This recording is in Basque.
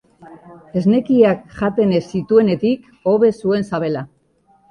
Esnekiak jaten ez zituenetik hobe zuen sabela.